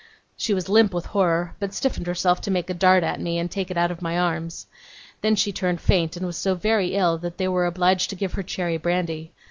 She was limp with horror; but stiffened herself to make a dart at me, and take it out of my arms. Then, she turned faint; and was so very ill that they were obliged to give her cherry brandy.